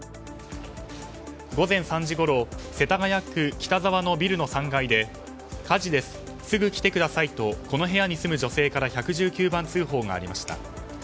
午前３時ごろ世田谷区北沢のビルの３階で火事です、すぐ来てくださいとこの部屋に住む女性から１１９番通報がありました。